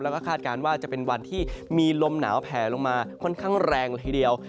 แล้วก็คาดการณ์ว่าจะเป็นวันที่มีลมหนาวแผลลงมาค่อนข้างแรงละทีเดียว